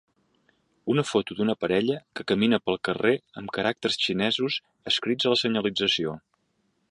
Una foto d'una parella que camina pel carrer amb caràcters xinesos escrits a la senyalització.